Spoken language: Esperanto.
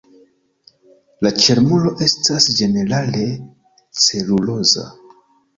La ĉelmuro estas ĝenerale celuloza.